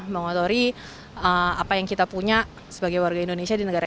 mengotori apa yang kita punya sebagai warga indonesia di negara